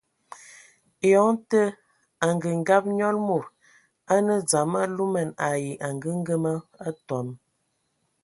Eyɔŋ tə, angəngab nyɔl mod a nə dzam alumɛn ai angəgəma atɔm.